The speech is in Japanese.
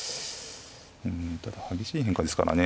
うんただ激しい変化ですからね